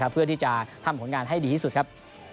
เพื่อที่จะทำผลงานให้ดีที่สุดครับ